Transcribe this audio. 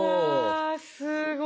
すごい。